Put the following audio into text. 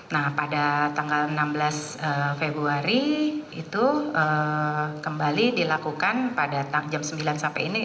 nah pada tanggal enam belas februari itu kembali dilakukan pada jam sembilan sampai ini